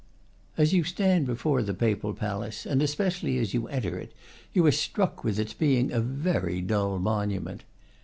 As you stand before the Papal palace, and espe cially as you enter it, you are struck with its being a very dull monument.